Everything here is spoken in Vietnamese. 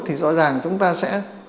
thì rõ ràng chúng ta sẽ